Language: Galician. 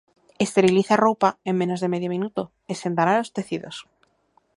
Esteriliza roupa en menos de medio minuto e sen danar os tecidos.